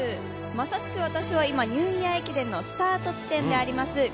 まさしく私は今、ニューイヤー駅伝のスタート地点であります